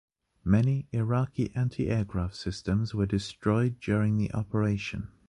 Many Iraki anti-aircraft systems were destroyed during the operation.